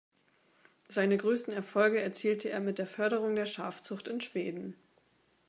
Seine größten Erfolge erzielte er mit der Förderung der Schafzucht in Schweden.